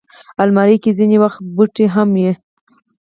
الماري کې ځینې وخت بوټي هم وي